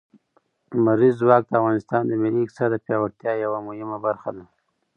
لمریز ځواک د افغانستان د ملي اقتصاد د پیاوړتیا یوه مهمه برخه ده.